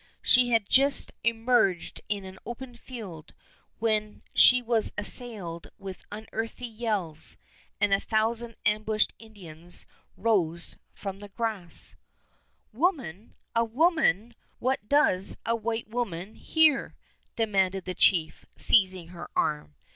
She had just emerged in an open field when she was assailed with unearthly yells, and a thousand ambushed Indians rose from the grass. [Illustration: LAURA SECORD] "Woman! A woman! What does a white woman here?" demanded the chief, seizing her arm.